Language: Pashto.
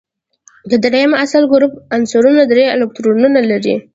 د دریم اصلي ګروپ عنصرونه درې الکترونونه لري.